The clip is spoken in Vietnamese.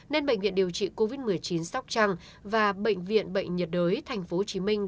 nên bệnh viện điều trị covid một mươi chín sóc trăng và bệnh viện bệnh nhiệt đới tp hcm